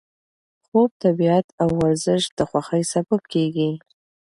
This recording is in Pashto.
خوب، طبیعت او ورزش د خوښۍ سبب کېږي.